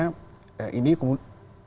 karena itu kan apa namanya